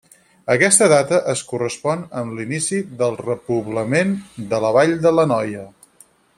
Aquesta data es correspon amb l'inici del repoblament de la vall de l'Anoia.